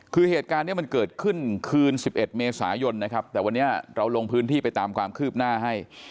คือเหตุการณ์นี้มันเกิดขึ้นคืน๑๑เมษายนนะครับแต่วันนี้เราลงพื้นที่ไปตามความคืบหน้าให้